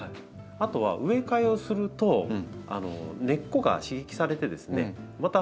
あとは植え替えをすると根っこが刺激されてですねまた成長するんですよ。